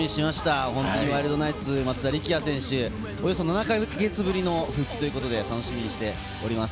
ワイルドナイツ・松田力也選手、およそ７か月ぶりの復帰ということで楽しみにしております。